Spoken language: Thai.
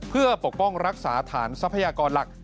เพื่อปกป้องรักษาฐานทรัพยากรหลัก